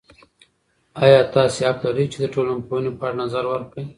ایا تاسې حق لرئ چې د ټولنپوهنې په اړه نظر ورکړئ؟